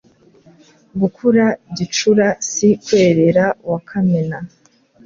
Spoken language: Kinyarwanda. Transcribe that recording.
Gukura gicura si Kwerera wa Kamena